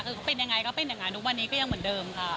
คือเขาเป็นยังไงก็เป็นอย่างนั้นทุกวันนี้ก็ยังเหมือนเดิมค่ะ